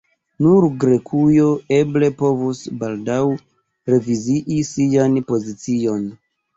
Nur Grekujo eble povus baldaŭ revizii sian pozicion.